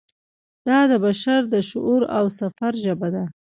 دا د بشر د شعور او سفر ژبه ده.